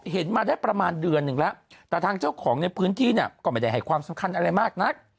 เห็นมาได้ประมาณเดือนหนึ่งแล้วแต่ทางเจ้าของในพื้นที่เนี่ยก็ไม่ได้ให้ความสำคัญอะไรมากนัก